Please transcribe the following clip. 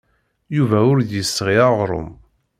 Yuba ur d-yesɣi aɣrum.